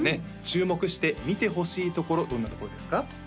注目して見てほしいところどんなところですか？